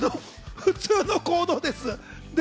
普通の行動です。